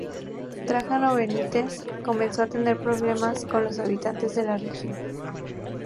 Trajano Benítez comenzó a tener problemas con los habitantes de la región.